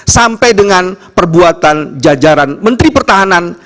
sampai dengan perbuatan jajaran menteri pertahanan